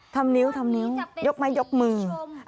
ทำนิ้วทำนิ้วยกไม้ยกมือ